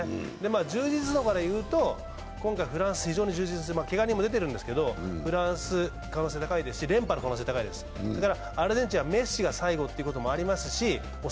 充実度からいうとフランス非常に充実していて、けが人も出てるんですけど、フランスの可能性高いですし、連覇の可能性が高い、アルゼンチンが恐らくメッシが最後ということもありますし。